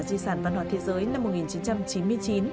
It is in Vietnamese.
di sản văn hóa thế giới năm một nghìn chín trăm chín mươi chín